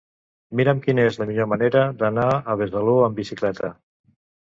Mira'm quina és la millor manera d'anar a Besalú amb bicicleta.